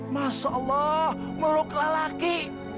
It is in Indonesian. masya allah meluk lelaki